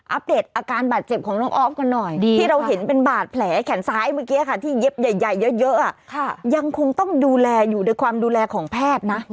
เดตอาการบาดเจ็บของน้องออฟกันหน่อยดีที่เราเห็นเป็นบาดแผลแขนซ้ายเมื่อกี้ค่ะที่เย็บใหญ่เยอะยังคงต้องดูแลอยู่ในความดูแลของแพทย์นะ